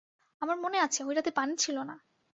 আমার মনে আছে, ঐ রাতে পানি ছিল না।